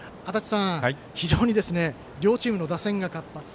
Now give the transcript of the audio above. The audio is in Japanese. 非常に両チームの打線が活発。